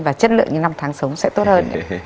và chất lượng những năm tháng sống sẽ tốt hơn